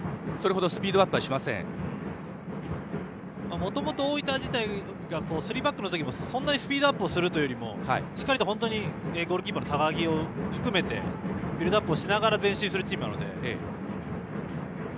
もともと大分自体がスリーバックのときも、そんなにスピードアップするというよりもしっかりとゴールキーパーの高木を含めてビルドアップしながら前進するチームなので。